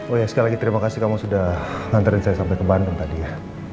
oh ya sekali lagi terima kasih kamu sudah nganterin saya sampai ke bandung tadi ya